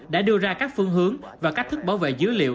đã đưa ra các phương hướng và cách thức bảo vệ dữ liệu